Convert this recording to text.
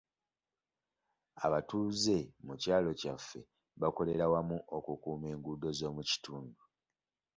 Abatuuze mu kyalo kyaffe bakolera wamu okukuuma enguudo z'omu kitundu.